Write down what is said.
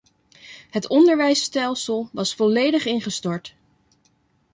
Het onderwijsstelsel was volledig ingestort.